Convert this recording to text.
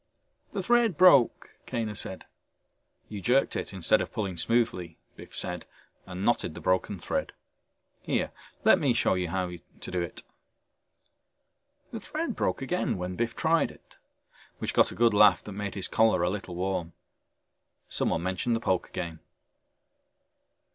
"The thread broke," Kaner said. "You jerked it, instead of pulling smoothly," Biff said and knotted the broken thread. "Here let me show you how to do it." The thread broke again when Biff tried it, which got a good laugh that made his collar a little warm. Someone mentioned the poker game.